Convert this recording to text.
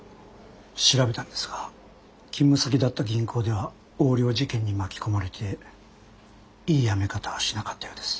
調べたんですが勤務先だった銀行では横領事件に巻き込まれていい辞め方しなかったようです。